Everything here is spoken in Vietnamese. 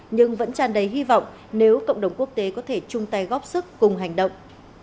nhưng vẫn tràn đầy hy vọng nếu cộng đồng quốc tế có thể chung tay góp sức cùng hành động